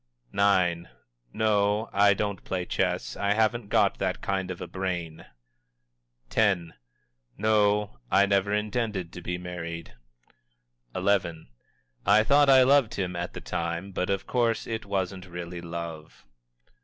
_" IX. "No, I don't play chess. I haven't got that kind of a brain." X. "No, I never intend to be married." XI. "I thought I loved him at the time, but of course it wasn't really love."